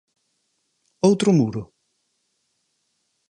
Outro muro?